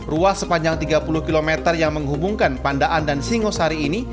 ruas sepanjang tiga puluh km yang menghubungkan pandaan dan singosari ini